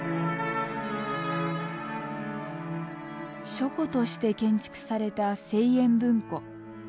書庫として建築された青淵文庫。